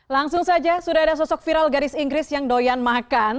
langsung saja sudah ada sosok viral gadis inggris yang doyan makan